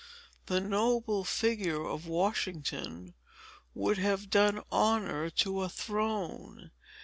The noble figure of Washington would have done honor to a throne.